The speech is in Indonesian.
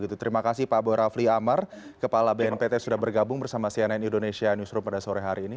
terima kasih pak boy rafli amar kepala bnpt sudah bergabung bersama cnn indonesia newsroom pada sore hari ini